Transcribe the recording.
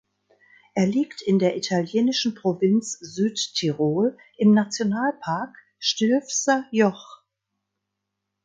Er liegt in der italienischen Provinz Südtirol im Nationalpark Stilfser Joch.